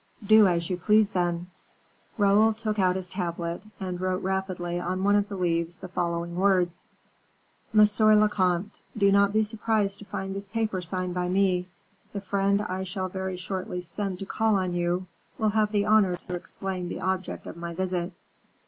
"Do as you please, then." Raoul drew out his tablet, and wrote rapidly on one of the leaves the following words: "MONSIEUR LE COMTE, Do not be surprised to find this paper signed by me; the friend I shall very shortly send to call on you will have the honor to explain the object of my visit.